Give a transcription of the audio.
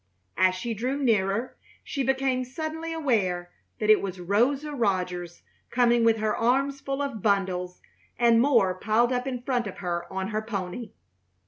As she drew nearer she became suddenly aware that it was Rosa Rogers coming with her arms full of bundles and more piled up in front of her on her pony.